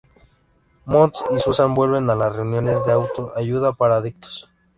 Moth y Susan vuelven a las reuniones de auto ayuda para adictos.